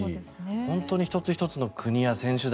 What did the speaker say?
本当に１つ１つの国や選手団